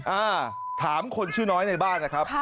อ่าถามคนชื่อน้อยในบ้านนะครับ